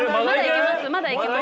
まだいけます